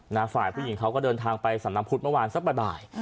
ฝ่ายผู้หญิงเขาก็เดินทางไปสำนักพุทธเมื่อวานสักบ่าย